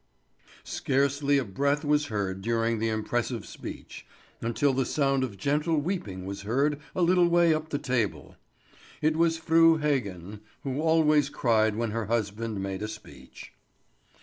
'" Scarcely a breath was heard during the impressive speech, until the sound of gentle weeping was heard a little way up the table. It was Fru Heggen, who always cried when her husband made a speech.